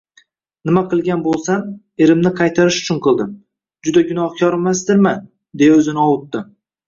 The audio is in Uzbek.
Nima qilgan bo`lsam, erimni qaytarish uchun qildim, juda gunohkormasdirman deya o`zini ovutdi